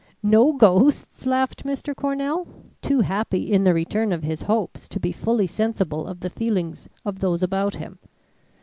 "No ghosts?" laughed Mr. Cornell, too happy in the return of his hopes to be fully sensible of the feelings of those about him.